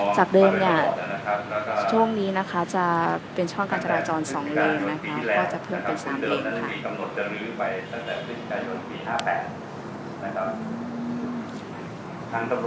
จากเดิมช่วงนี้จะเป็นช่องกัญจาราจร๒หนึ่งก็จะเพิ่มเป็น๓หนึ่งค่ะ